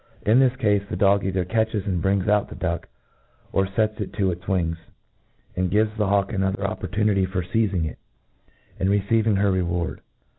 In this cafe, the dog cither catches and brings out the duck, or fcts it to its wings, and gives the hawk ano ther Modern faulconry. 233 thcr opportunity for feizing itj and receiving her reward.